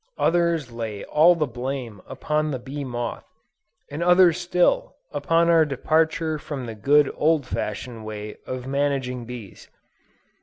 Others lay all the blame upon the bee moth, and others still, upon our departure from the good old fashioned way of managing bees.